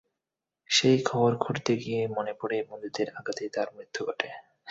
সেই কবর খুঁড়তে গিয়ে মনে পড়ে বন্ধুদের আঘাতেই তার মৃত্যু ঘটে।